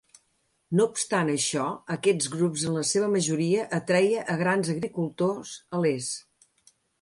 No obstant això, aquests grups en la seva majoria atreia a grans agricultors a l'est.